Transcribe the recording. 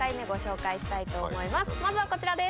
まずはこちらです。